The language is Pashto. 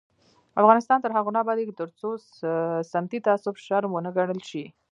افغانستان تر هغو نه ابادیږي، ترڅو سمتي تعصب شرم ونه ګڼل شي.